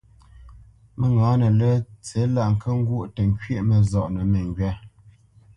Məŋǎnə lə́ tsí lá nkə́ ŋgwó tə nkywɛ̂ʼ məzɔʼnə məŋgywâ.